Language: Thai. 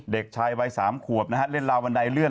เด็กชายวัย๓ขวบนะฮะเล่นราวบันไดเลื่อน